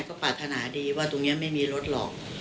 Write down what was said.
ก็ปรารถนาดีว่าตรงนี้ไม่มีรถหรอก